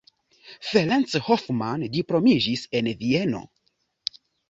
Ferenc Hoffmann diplomiĝis en Vieno.